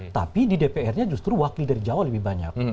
tapi di dpr nya justru wakil dari jawa lebih banyak